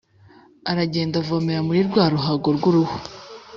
aragenda avomera muri rwa ruhago rw uruhu